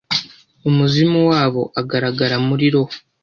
Umuzimu wabo ugaragara muri Roho